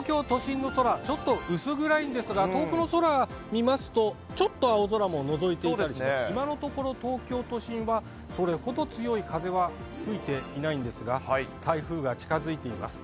東京都心の空、ちょっと薄暗いんですが、遠くの空を見ますと、ちょっと青空ものぞいていたりして、今のところ、東京都心はそれほど強い風は吹いていないんですが、台風が近づいています。